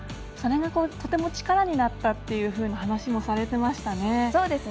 それがとても力になったというふうに話もされていましたね。